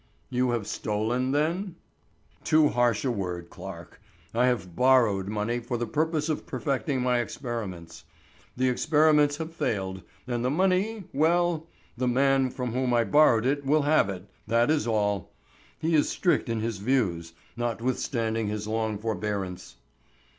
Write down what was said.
"You have stolen then?" "Too harsh a word, Clarke. I have borrowed money for the purpose of perfecting my experiments. The experiments have failed, and the money—well, the man from whom I borrowed it will have it, that is all. He is strict in his views, notwithstanding his long forbearance."